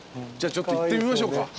じゃあちょっと行ってみましょうか。